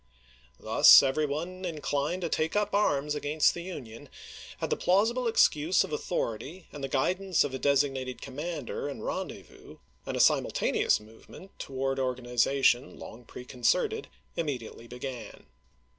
Thus every one inclined to take up arms against the Union had the plausible excuse of authority and the guidance of a designated commander and ren dezvous, and a simultaneous movement toward organization long preconcerted immediately began.